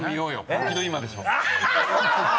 本気の「今でしょ！」